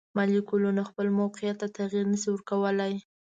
مالیکولونه خپل موقیعت ته تغیر نشي ورکولی.